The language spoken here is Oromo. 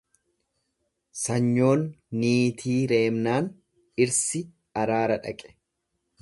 Sanyoon niitii reebnaan dhirsi araara dhaqe.